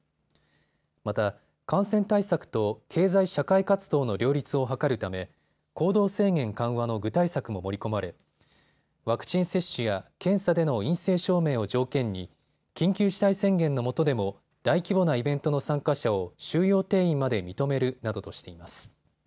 また、感染対策と経済社会活動の両立を図るため行動制限緩和の具体策も盛り込まれ、ワクチン接種や検査での陰性証明を条件に緊急事態宣言のもとでも大規模なイベントの参加者を収容定員まで認めるなどとしています。